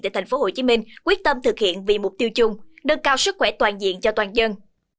tại tp hcm quyết tâm thực hiện vì mục tiêu chung đơn cao sức khỏe toàn diện cho toàn dân